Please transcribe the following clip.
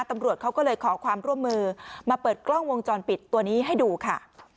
ตำรวจเขาก็เลยขอความร่วมมือมาเปิดกล้องวงจรปิดตัวนี้ให้ดูค่ะ